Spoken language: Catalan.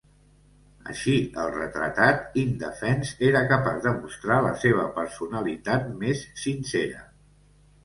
Així el retratat, indefens, era capaç de mostrar la seva personalitat més sincera.